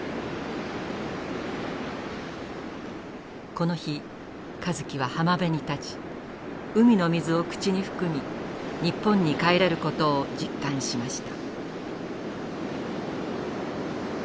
この日香月は浜辺に立ち海の水を口に含み日本に帰れることを実感しました。